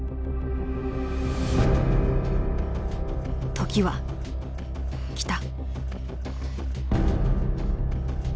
時は来た。